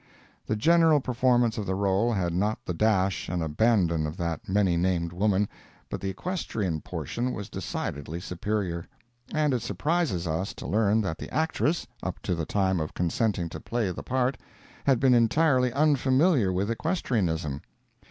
The general performance of the role had not the dash and abandon of that many named woman, but the equestrian portion was decidedly superior; and it surprises us to learn that the actress, up to the time of consenting to play the part, had been entirely unfamiliar with equestrianism.